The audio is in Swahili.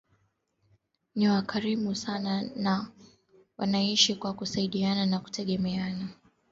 Ni wakarimu sana na wanaishi kwa kusaidiana na kutegemeana